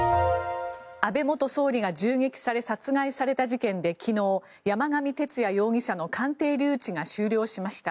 安倍元総理が銃撃され、殺害された事件で昨日、山上徹也容疑者の鑑定留置が終了しました。